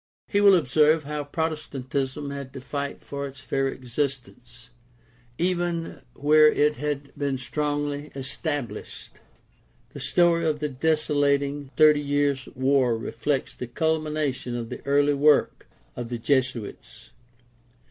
He will observe how Protestantism had to fight for its very existence, eyen where it had been strongly estabhshed. The story of the desolating Thirty Years' War reflects the culmination of the early work of the Jesuits.